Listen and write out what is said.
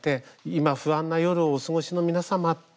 今、不安な夜をお過ごしの皆様。